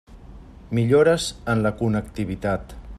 Millores en la connectivitat.